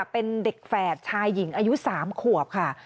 เป็นเด็กแฝดชายหญิงอายุ๓ขวบค่ะ